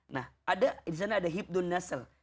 nah disana ada hibdun nasel